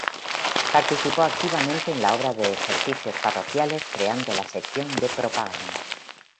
Participó activamente en la Obra de Ejercicios Parroquiales, creando la sección de Propaganda.